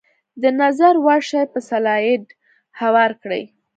د نظر وړ شی په سلایډ هوار کړئ.